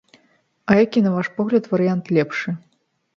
А які, на ваш погляд, варыянт лепшы?